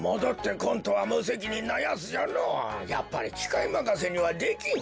やっぱりきかいまかせにはできん。